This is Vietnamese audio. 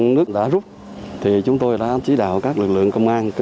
lực lượng nước đã rút thì chúng tôi đã chỉ đạo các lực lượng công an